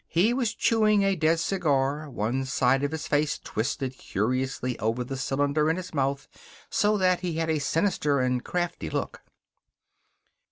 He was chewing a dead cigar, one side of his face twisted curiously over the cylinder in his mouth so that he had a sinister and crafty look.